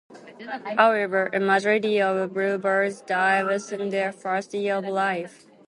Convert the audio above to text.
However, a majority of bluebirds die within their first year of life.